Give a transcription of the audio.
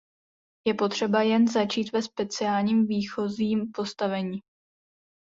Je potřeba jen začít ve speciálním výchozím postavení.